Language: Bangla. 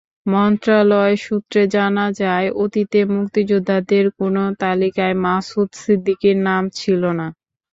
মন্ত্রণালয় সূত্রে জানা যায়, অতীতে মুক্তিযোদ্ধাদের কোনো তালিকায় মাসুদ সিদ্দিকীর নাম ছিল না।